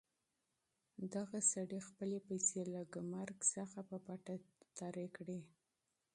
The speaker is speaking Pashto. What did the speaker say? دې سړي خپلې پیسې له ګمرک څخه په پټه تېرې کړې.